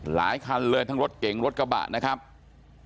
หลายคันเลยทั้งรถเก๋งทั้งรถกระบะ